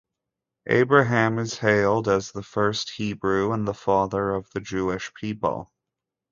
Abraham is hailed as the first Hebrew and the father of the Jewish people.